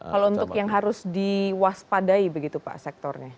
kalau untuk yang harus diwaspadai begitu pak sektornya